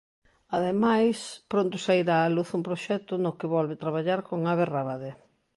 Ademais, pronto sairá á luz un proxecto no que volve traballar con Abe Rábade.